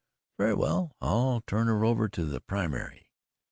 "Very well, I'll turn her over to the primary."